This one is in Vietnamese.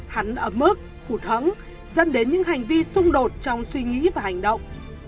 hắn ấm mức hụt hẫng dẫn đến những hành vi xung đột trong suy nghĩ và hành động